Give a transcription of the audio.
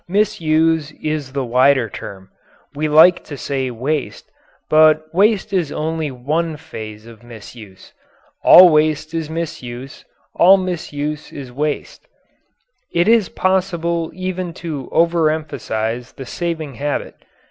"Misuse" is the wider term. We like to say "waste," but waste is only one phase of misuse. All waste is misuse; all misuse is waste. It is possible even to overemphasize the saving habit.